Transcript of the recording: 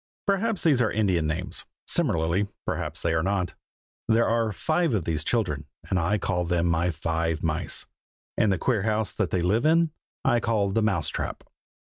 Perhaps these are Indian names; similarly, perhaps they are not. There are five of these children, and I call them my Five Mice; and the queer house that they live in I call the Mouse trap.